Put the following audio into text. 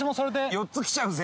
４つきちゃうぜ。